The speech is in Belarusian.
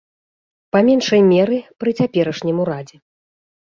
Па меншай меры, пры цяперашнім урадзе.